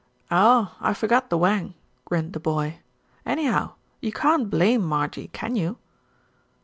"Oh! I forgot the wang," grinned the boy. "Any how, you can't blame Marjie, can you?"